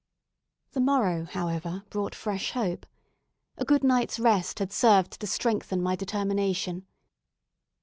The morrow, however, brought fresh hope. A good night's rest had served to strengthen my determination.